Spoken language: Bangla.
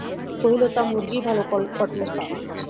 কহিল, তা, মুর্গিই ভালো, কটলেট!